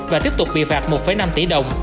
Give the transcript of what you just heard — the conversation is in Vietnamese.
và tiếp tục bị phạt một năm tỷ đồng